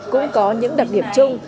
cũng có những đặc điểm chung